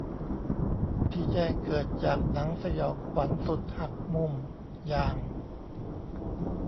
ที่แจ้งเกิดจากหนังสยองขวัญสุดหักมุมอย่าง